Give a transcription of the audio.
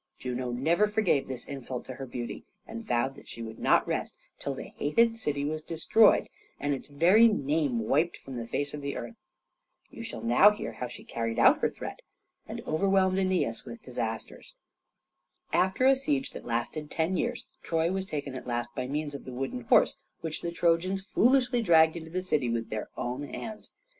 Juno never forgave this insult to her beauty, and vowed that she would not rest till the hated city was destroyed and its very name wiped from the face of the earth. You shall now hear how she carried out her threat, and overwhelmed Æneas with disasters. After a siege that lasted ten years Troy was taken at last by means of the wooden horse, which the Trojans foolishly dragged into the city with their own hands.